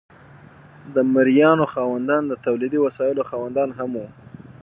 د مرئیانو خاوندان د تولیدي وسایلو خاوندان هم وو.